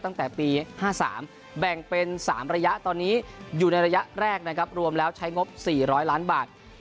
ตั้งแต่ปี๕๓แบ่งเป็น๓ระยะตอนนี้อยู่ในระยะแรกนะครับรวมแล้วใช้งบ๔๐๐ล้านบาท